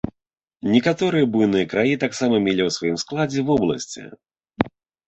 Некаторыя буйныя краі таксама мелі ў сваім складзе вобласці.